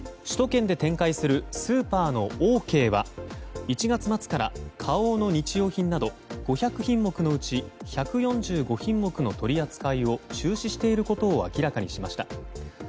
首都圏で展開するスーパーのオーケーは１月末から花王の日用品など５００品目のうち１４５品目の取り扱いを中止していることを明らかにしました。